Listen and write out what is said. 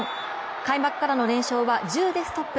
開幕からの連勝は１０でストップ。